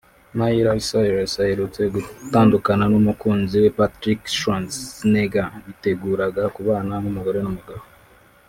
Miley Cyrus aherutse gutandukana n’umukunzi we Patrick Schwarzenegger biteguraga kubana nk’umugore n’umugabo